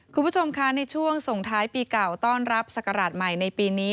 คุณผู้ชมคะในช่วงส่งท้ายปีเก่าต้อนรับศักราชใหม่ในปีนี้